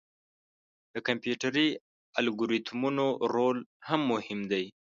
د کمپیوټري الګوریتمونو رول هم مهم دی.